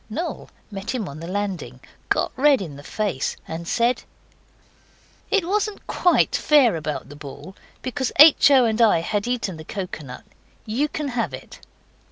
Noel met him on the landing, got red in the face, and said 'It wasn't QUITE fair about the ball, because H. O. and I had eaten the coconut. YOU can have it.